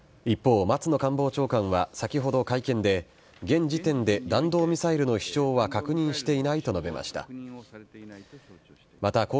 一方、松野官房長官は先ほど会見で、現時点で弾道ミサイルの飛しょうは確認していないと述べました。